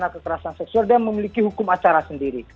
kekuatan seksual yang memiliki hukum acara sendiri